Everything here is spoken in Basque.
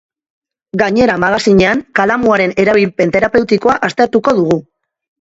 Gainera, magazinean, kalamuaren erabilpen terapeutikoa aztertuko dugu.